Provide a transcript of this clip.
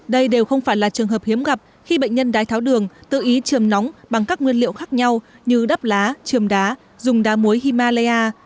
đây đều không phải là trường hợp hiếm gặp khi bệnh nhân đái tháo đường tự ý trường nóng bằng các nguyên liệu khác nhau như đắp lá trường đá dùng đá muối himalaya